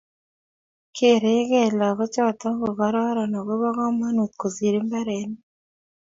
Kerekei lagochoto ko kororon agobo komonut kosir mbaronik